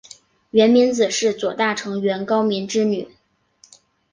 源明子是左大臣源高明之女。